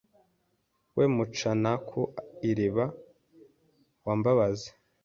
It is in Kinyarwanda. We Mucanaku iriba wa Mbabazi